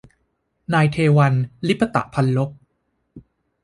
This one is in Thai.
นายเทวัญ ลิปตพัลลภ